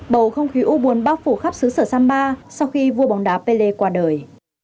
bầu không khí ưu buồn bao phủ khắp xứ sở samba sau khi vua bóng đá pele qua đời